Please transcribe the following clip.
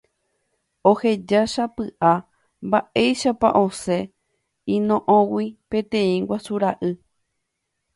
Ohechásapy'a mba'éichapa osẽ yno'õgui peteĩ guasu ra'y.